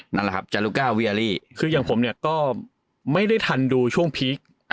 นั่นแหละครับจารุก้าวีอารี่คืออย่างผมเนี่ยก็ไม่ได้ทันดูช่วงพีค